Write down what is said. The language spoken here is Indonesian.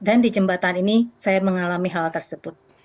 dan di jembatan ini saya mengalami hal tersebut